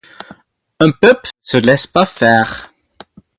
Un peuple ne se laisse pas faire.